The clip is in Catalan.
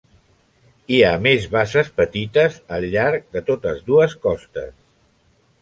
Hi ha més bases petites al llarg de totes dues costes.